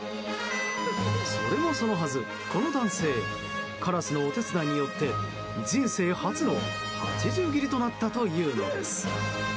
それもそのはず、この男性カラスのお手伝いによって人生初の８０切りとなったというのです。